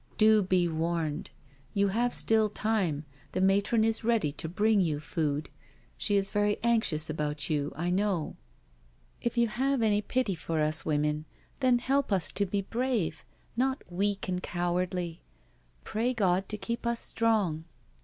Do be warned— you have still time, the matron is ready to bring you food— she is very anxious about yoUj I know." " If you have any pity for us women, then help us to be brave/ not weak and cowardly. Pray God to keep us strong."